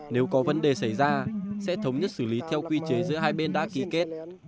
nếu có vấn đề xảy ra sẽ thống nhất xử lý theo quy chế giữa hai bên đã ký kết